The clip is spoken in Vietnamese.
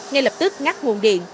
ngay lập tức ngắt nguồn điện